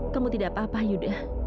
kamu tidak apa apa yuda